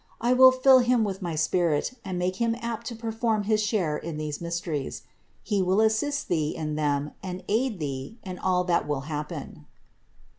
I will fill him with my spirit and make him apt to perform his share in these mysteries. He will assist Thee in them and aid Thee in all that will hap pen."